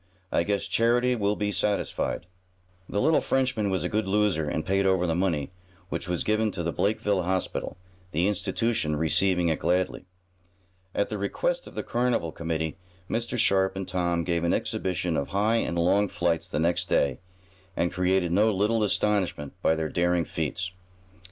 I guess charity will be satisfied." The little Frenchman was a good loser, and paid over the money, which was given to the Blakeville Hospital, the institution receiving it gladly. At the request of the carnival committee, Mr. Sharp and Tom gave an exhibition of high and long flights the next day, and created no little astonishment by their daring feats.